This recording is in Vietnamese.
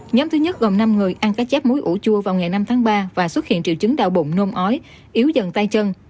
nhóm thứ nhất gồm năm người ăn các chép muối ủ chua vào ngày năm tháng ba và xuất hiện triệu chứng đau bụng nôn ói yếu dần tay chân